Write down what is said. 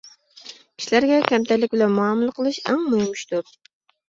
كىشىلەرگە كەمتەرلىك بىلەن مۇئامىلە قىلىش ئەڭ مۇھىم ئىشتۇر.